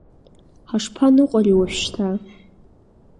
Ҳашԥаныҟәари уажәшьҭа?